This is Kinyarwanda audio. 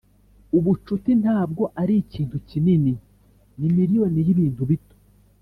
ubucuti ntabwo ari ikintu kinini. ni miriyoni yibintu bito.